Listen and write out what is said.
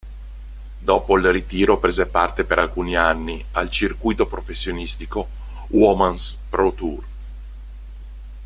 Dopo il ritiro prese parte per alcuni anni al circuito professionistico Women’s Pro Tour.